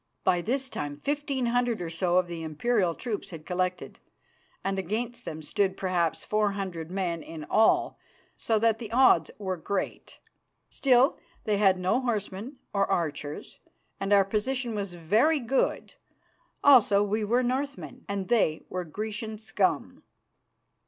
By this time fifteen hundred or so of the Imperial troops had collected, and against them stood, perhaps, four hundred men in all, so that the odds were great. Still, they had no horsemen or archers, and our position was very good, also we were Northmen and they were Grecian scum.